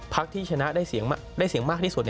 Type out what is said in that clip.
ภักดิ์ที่ชนะได้เสียงได้เสียงมากที่สุด